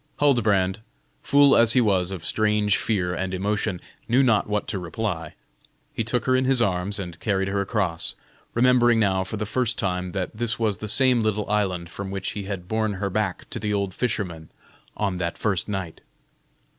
Huldbrand, full as he was of strange fear and emotion, knew not what to reply. He took her in his arms and carried her across, remembering now for the first time that this was the same little island from which he had borne her back to the old fisherman on that first night.